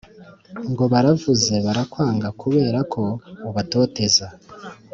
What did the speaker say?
Ngo baravuze barakwanga kuberako ubatoteza